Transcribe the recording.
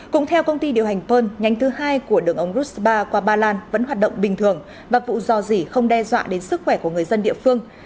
cũng theo công ty điều hành pern nhánh thứ hai của đường ống ruspa qua ba lan vẫn hoạt động bình thường và vụ dò dỉ không đe dọa đến sức khỏe của người dân địa phương